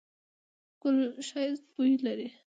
ګل ښایسته بوی لري